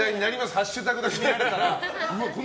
ハッシュタグだけ見たら。